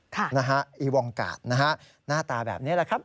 ค่ะนะฮะอีวงองกาดนะฮะหน้าตาแบบนี้แหละครับ